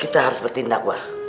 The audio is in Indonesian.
kita harus bertindak bang